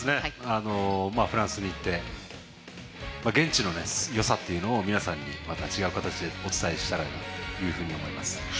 フランスに行って現地のよさっていうのを皆さんにまた違う形でお伝えできたらと思います。